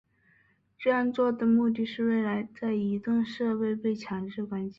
这样做的目的是为了在移动设备被强制关机。